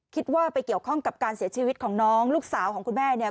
คิดว่าไปเกี่ยวข้องกับการเสียชีวิตของน้องลูกสาวของคุณแม่เนี่ย